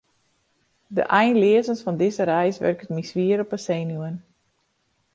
De einleazens fan dizze reis wurket my swier op 'e senuwen.